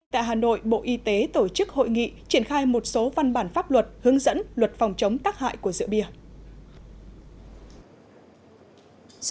tại hà nội bộ y tế tổ chức hội nghị triển khai một số văn bản pháp luật hướng dẫn luật phòng chống tắc hại của rượu bia